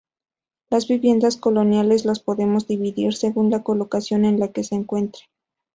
Las viviendas coloniales las podemos dividir según la localización en la que se encuentren.